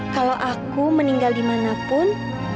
kalau aku meninggal dimanapun